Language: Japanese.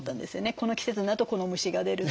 この季節になるとこの虫が出るとか。